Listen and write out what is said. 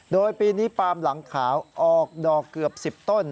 โดยปีนี้ปาล์มหลังขาวออกดอกเกือบ๑๐ต้น